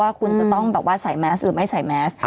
ว่าคุณจะต้องใส่มัสหรือไม่ใส่มัส